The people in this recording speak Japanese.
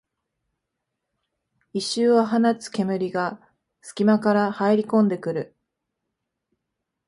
異臭を放つ煙がすき間から入りこんでくる